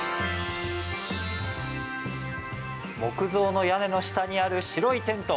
木造の屋根の下にある白いテント。